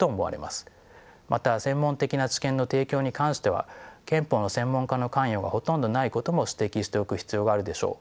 また専門的な知見の提供に関しては憲法の専門家の関与がほとんどないことも指摘しておく必要があるでしょう。